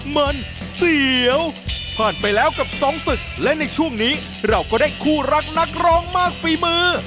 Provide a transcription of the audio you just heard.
มันเสียวผ่านไปแล้วกับสองศึกและในช่วงนี้เราก็ได้คู่รักนักร้องมากฝีมือ